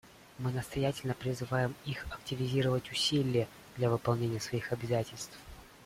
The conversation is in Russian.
Мы настоятельно призываем их активизировать усилия для выполнения своих обязательств.